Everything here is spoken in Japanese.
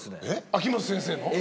秋元先生の？